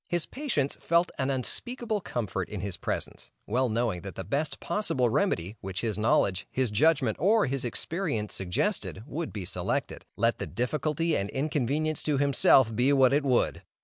His patients felt an unspeakable comfort in his presence, well knowing that the best possible remedy which his knowledge, his judgment or his experience suggested, would be selected, let the difficulty and inconvenience to himself be what it would.